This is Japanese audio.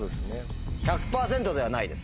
１００％ではないです